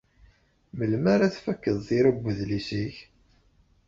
Melmi ara tfakeḍ tira n udlis-ik?